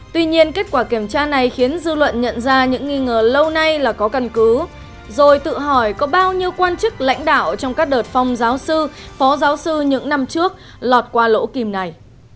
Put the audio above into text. tuy nhiên kết quả kiểm tra này khiến dư luận nhận ra những nghi ngờ lâu nay là có căn cứ rồi tự hỏi có bao nhiêu quan chức lãnh đạo trong các đợt phong giáo sư phó giáo sư những năm trước lọt qua lỗ kim này